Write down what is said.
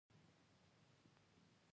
قطب الدین بختیار د موسی لمسی دﺉ.